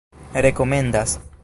rekomendas